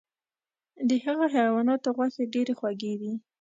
د هغو حیواناتو غوښې ډیرې خوږې دي .